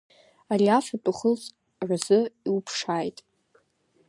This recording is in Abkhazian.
Ари афатә ухылҵ рзы иуԥшааит.